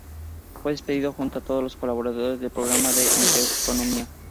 Fue despedido junto a todos los colaboradores del programa en Intereconomía.